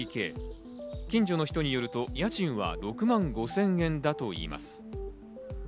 近所の人によると、家賃は６万５０００円だといいます。